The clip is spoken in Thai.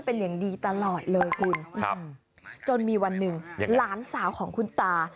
เป็นอย่างดีตลอดเลยคุณครับจนมีวันหนึ่งหลานสาวของคุณตา